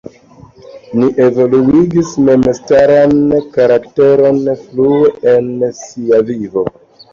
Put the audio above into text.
Li evoluigis memstaran karakteron frue en sia vivo.